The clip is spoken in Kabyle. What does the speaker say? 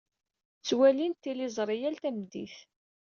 Ttwalin tiliẓri yal tameddit.